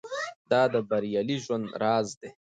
دا د بریالي ژوند راز دی.